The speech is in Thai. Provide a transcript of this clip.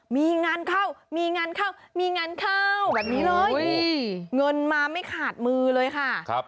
มีงานเข้ามีงานเข้ามีงานเข้าแบบนี้เลยเงินมาไม่ขาดมือเลยค่ะ